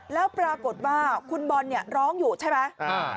แล้วปรากฏว่าคุณบอลเนี่ยร้องอยู่ใช่ไหม